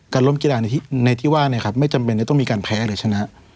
ล้มกีฬาในที่ว่าไม่จำเป็นจะต้องมีการแพ้หรือชนะ